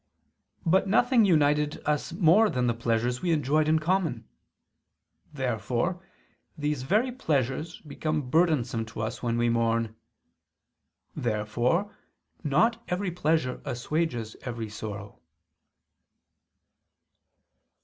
But nothing united us more than the pleasures we enjoyed in common. Therefore these very pleasures become burdensome to us when we mourn. Therefore not every pleasure assuages every sorrow.